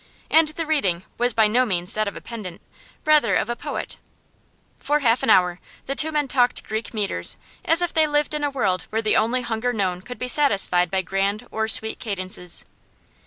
And the reading was by no means that of a pedant, rather of a poet. For half an hour the two men talked Greek metres as if they lived in a world where the only hunger known could be satisfied by grand or sweet cadences.